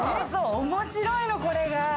面白いの、これが。